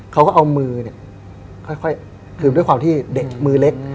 คือเขาคือความที่เป็นเด็กมือเล็ก